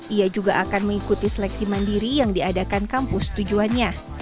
ia juga akan mengikuti seleksi mandiri yang diadakan kampus tujuannya